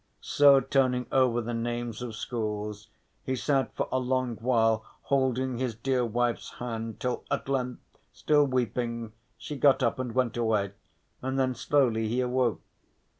So turning over the names of schools he sat for a long while holding his dear wife's hand, till at length, still weeping, she got up and went away and then slowly he awoke.